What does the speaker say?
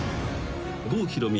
［郷ひろみ